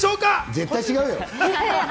絶対違うよ！